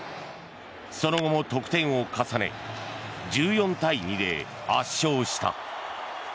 その後も得点を重ね１４対２で圧勝した。